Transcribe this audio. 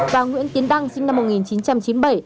và nguyễn tiến đăng sinh năm một nghìn chín trăm chín mươi bảy